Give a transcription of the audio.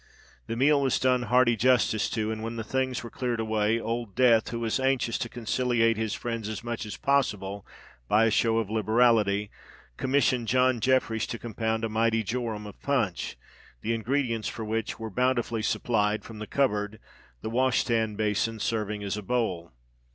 The meal was done hearty justice to; and when the things were cleared away, Old Death, who was anxious to conciliate his friends as much as possible by a show of liberality, commissioned John Jeffreys to compound a mighty jorum of punch, the ingredients for which were bountifully supplied from the cupboard, the wash hand basin serving as a bowl.